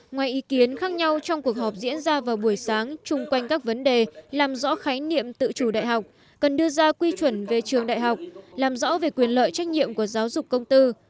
ngoài ý kiến khác nhau trong cuộc họp diễn ra vào buổi sáng chung quanh các vấn đề làm rõ khái niệm tự chủ đại học cần đưa ra quy chuẩn về trường đại học làm rõ về quyền lợi trách nhiệm của giáo dục công tư